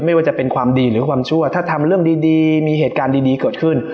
ไม่ว่าจะเป็นความดีหรือความชั่วถ้าทำเรื่องดีมีเหตุการณ์ดีเกิดขึ้น